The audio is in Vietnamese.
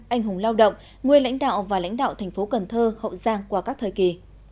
anh hùng lao động nguyên lãnh đạo và lãnh đạo thành phố cần thơ hậu giang qua các thời kỳ